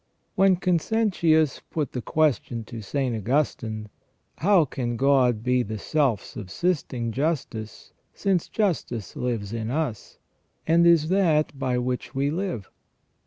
When Consentius put the question to St. Augustine : How can God be the self subsisting justice, since justice lives in us, and is that by which we live?